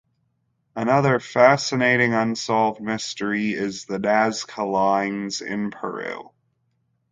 Another fascinating unsolved mystery is the Nazca Lines in Peru.